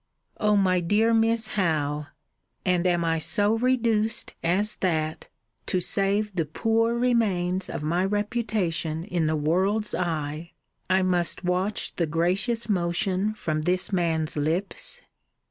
O my dear Miss Howe! And am I so reduced, as that, to save the poor remains of my reputation in the world's eye, I must watch the gracious motion from this man's lips?